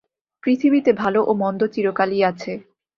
পৃথিবীতে ভাল ও মন্দ চিরকালই আছে।